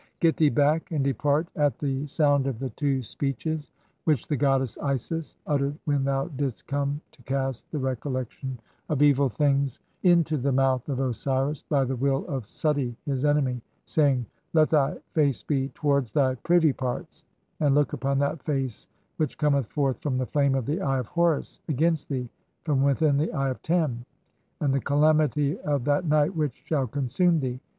Get thee back and depart at the "[sound of] the two speeches which the goddess Isis uttered "when thou didst come to cast the recollection of evil things THE CHAPTER OF KEEPING THE SOUL FREE. 15 1 "into the mouth of Osiris (7) by the will of Suti his enemy, "saying, 'Let thy face be towards thy privy parts, and look "upon that face which cometh forth from the flame of the Eye "of Horus against thee from within the Eye of Tern,' and the "calamity (8) of that night which shall consume thee.